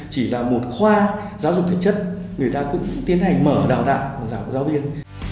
chỉ là một khoa giáo dục thể chất người ta cũng tiến hành mở đào tạo giáo viên